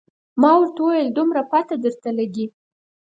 ما ورته وویل دومره پته درته لګي.